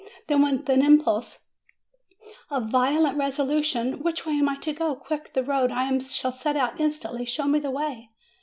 Then, with an impulse of violent resolution: "Which way am I to go? quick, the road ! I shall set out instantly ; show me the way